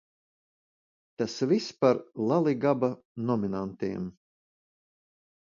Tas viss par "LaLiGaBa" nominantiem.